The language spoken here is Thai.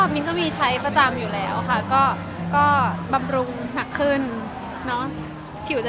มีอิทธิ์สนิทประกอบอะไรที่ใช้เพียงไว้